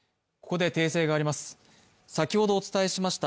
ここで訂正があります。